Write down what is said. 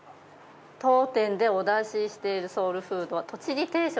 当店でお出ししているソウルフードはとちぎ定食。